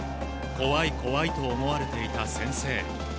怖い、怖いと思われていた先生。